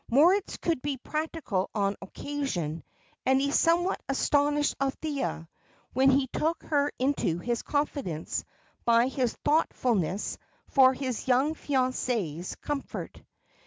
Moritz could be practical on occasion, and he somewhat astonished Althea, when he took her into his confidence, by his thoughtfulness for his young fiancée's comfort.